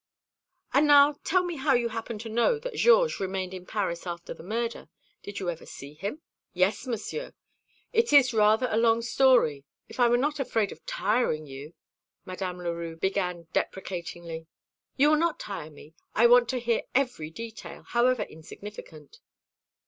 "And now tell me how you happen to know that Georges remained in Paris after the murder? Did you ever see him?" "Yes, Monsieur. It is rather a long story. If I were not afraid of tiring you " Madame Leroux began deprecatingly. "You will not tire me. I want to hear every detail, however insignificant."